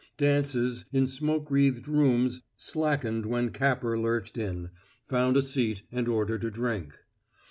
Dances in smoke wreathed rooms slackened when Capper lurched in, found a seat and ordered a drink.